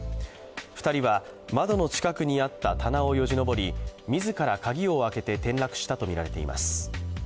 ２人は窓の近くにあった棚をよじ登り、自ら鍵を開けて転落したとみられています。